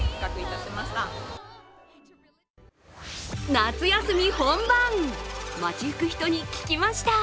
夏休み本番、街ゆく人に聞きました。